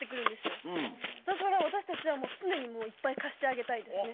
だから私たちは常にいっぱい貸してあげたいですね。